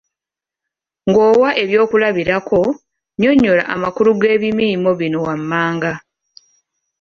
Ng’owa ebyokulabirako, nnyonnyola amakulu g’ebimiimo bino wammanga.